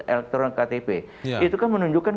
elektronik ktp itu kan menunjukkan